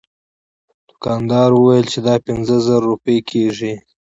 دوکاندار وویل چې دا پنځه زره روپۍ کیږي.